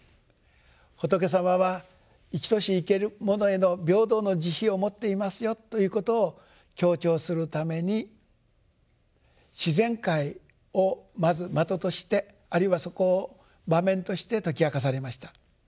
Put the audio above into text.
仏様は生きとし生けるものへの平等の慈悲を持っていますよということを強調するために自然界をまず的としてあるいはそこを場面として説き明かされました。